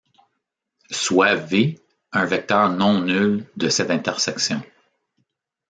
Soit v un vecteur non nul de cette intersection.